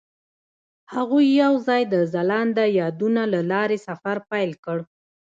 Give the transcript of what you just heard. هغوی یوځای د ځلانده یادونه له لارې سفر پیل کړ.